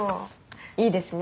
いいですね